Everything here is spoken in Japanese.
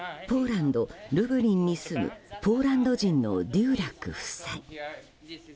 ポーランド・ルブリンに住むポーランド人のドューダック夫妻。